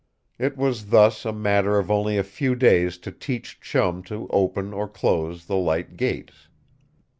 It was thus a matter of only a few days to teach Chum to open or close the light gates.